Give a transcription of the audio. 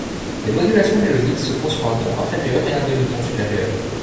Les modulations mélodiques se font sur un ton inférieur, et un demi-ton supérieur.